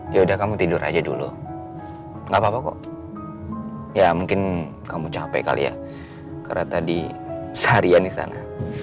ya udah kamu tidur aja dulu nggak apa apa kok ya mungkin kamu capek kali ya karena tadi seharian di sana